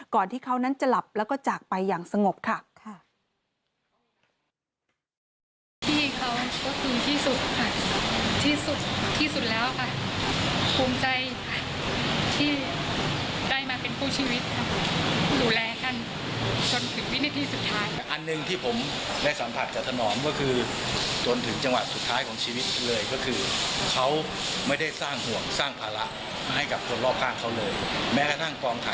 ที่เขานั้นจะหลับแล้วก็จากไปอย่างสงบค่ะ